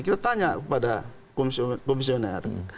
kita tanya kepada komisioner